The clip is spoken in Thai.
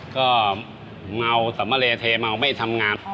ก็เมาสัมมะเลเทเมาไม่ทำงาน